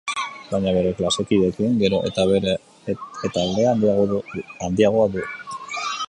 Baina bere klasekideekin gero eta aldea handiagoa du.